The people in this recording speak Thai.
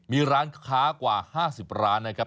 มีร้านค้ากว่า๕๐ร้านนะครับ